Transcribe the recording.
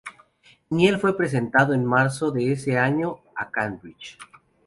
Neil fue prestado en marzo de ese año a Cambridge.